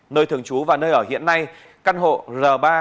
nơi thường trú và nơi ở hiện nay căn hộ r ba tám trăm hai mươi sáu